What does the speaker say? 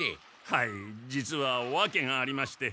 はい実はわけがありまして。